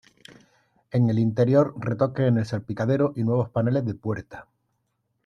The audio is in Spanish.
En el interior retoques en el salpicadero y nuevos paneles de puerta.